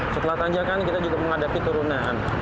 setelah tanjakan kita juga menghadapi turunan